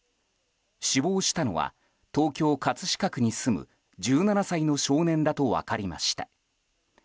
死亡したのは東京・葛飾区に住む１７歳の少年だと分かりました。